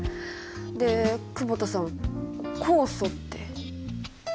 で久保田さん酵素って？